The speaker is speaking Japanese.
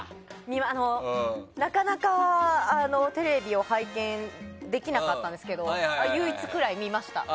なかなかテレビを拝見できなかったんですけど唯一くらい見ました。